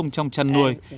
trong chăn nuôi